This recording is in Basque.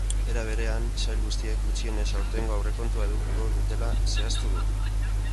Era berean, sail guztiek gutxienez aurtengo aurrekontua edukiko dutela zehaztu du.